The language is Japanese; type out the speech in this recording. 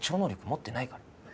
持ってないから。